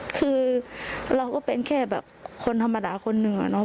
คือเราก็เป็นแค่คนธรรมดาคนหนึ่ง